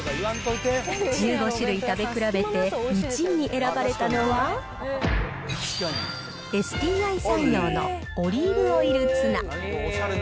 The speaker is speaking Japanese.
１５種類食べ比べて、１位に選ばれたのは、ＳＴＩサンヨーのオリーブオイルツナ。